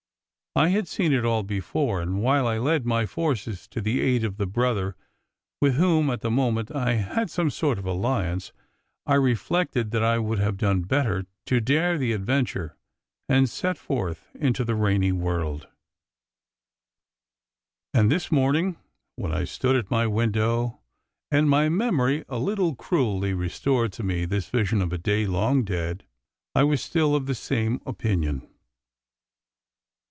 I had seen it all before, and while I led my forces to the aid of the brother with whom at the moment I had some sort of alliance, I reflected that I would have done better to dare the adventure and set forth into the rainy world. A WET DAY 269 And this morning when I stood at my window, and my memory a little cruelly restored to me this vision of a day long dead, I was still of the same opinion.